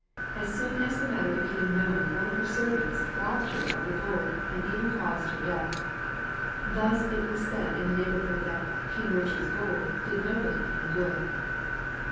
As soon as the matter became known one of her servants robbed her of the gold, and even caused her death. Thus it was said in the neighborhood that 'King Richard's gold' did nobody any good."